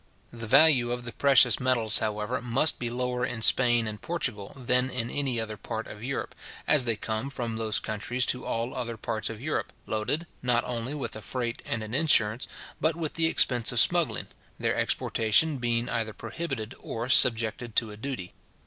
The value of the precious metals, however, must be lower in Spain and Portugal than in any other part of Europe, as they come from those countries to all other parts of Europe, loaded, not only with a freight and an insurance, but with the expense of smuggling, their exportation being either prohibited or subjected to a duty.